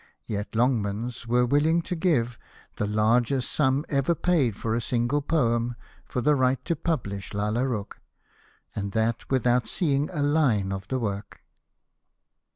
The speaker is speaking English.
Yet Longmans were willing to give the largest sum ever paid for a single poem for the right to publish Lalla Rookh^ and that without seeing a line of the work.